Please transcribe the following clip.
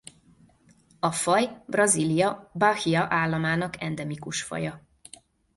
A faj Brazília Bahía államának endemikus faja.